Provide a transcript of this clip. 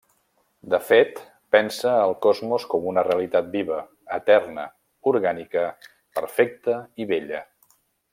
De fet, pensa el cosmos com una realitat viva, eterna, orgànica, perfecta, i bella.